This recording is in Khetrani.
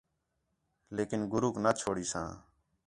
لیکن گُروک نہ چُھڑیساں